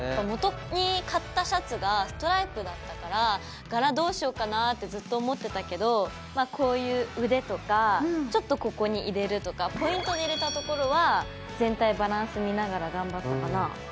もとに買ったシャツがストライプだったからがらどうしようかなってずっと思ってたけどこういう腕とかちょっとここに入れるとかポイントで入れたところは全体バランス見ながら頑張ったかな。